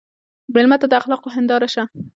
مېلمه ته د اخلاقو هنداره شه.